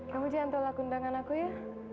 kamu jangan tolak undangan aku ya